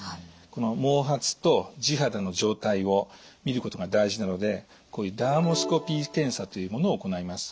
この毛髪と地肌の状態をみることが大事なのでこういうダーモスコピー検査というものを行います。